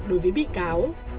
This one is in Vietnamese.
đối với bị cáo